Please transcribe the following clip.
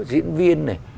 diễn viên này